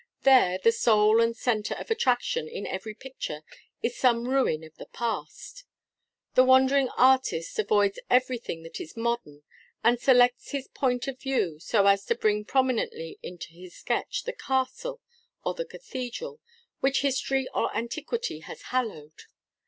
There, the soul and centre of attraction in every picture is some ruin of the past. The wandering artist avoids every thing that is modern, and selects his point of view so as to bring prominently into his sketch, the castle, or the cathedral, which history or antiquity has hallowed.